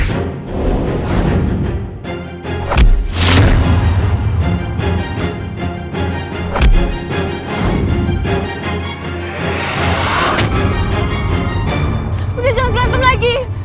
haris jangan berantem lagi